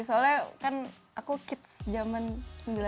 soalnya kan aku kids jaman sembilan puluh an